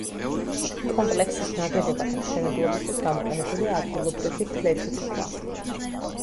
კომპლექსის ნაგებობათა მშენებლობისთვის გამოყენებულია ადგილობრივი ფლეთილი ქვა.